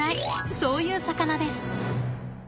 そういう魚です。